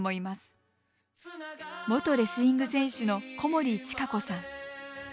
元レスリング選手の小森知華子さん。